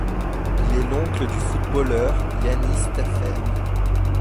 Il est l'oncle du footballeur Yannis Tafer.